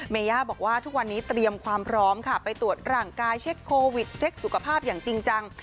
เมย่าบอกว่าทุกวันนี้เตรียมความพร้อมค่ะไปตรวจร่างกายเช็คโควิดเช็คสุขภาพอย่างจริงจัง